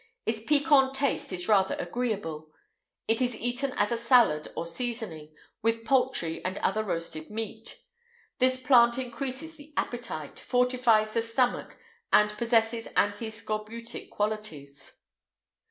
Its piquant taste is rather agreeable; it is eaten as a salad or seasoning, with poultry and other roasted meat. This plant increases the appetite, fortifies the stomach, and possesses anti scorbutic qualities.